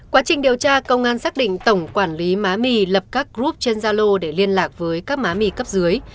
quá trình điều tra công an xác định tổng quản lý má mì lập các group trên gia lô để liên lạc với các má mì cấp dưới